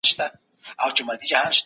د بیوزلو لاسنیوی وکړئ.